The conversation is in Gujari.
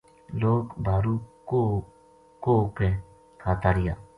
لوک بھارو کُوہ کو کھاتا رہیا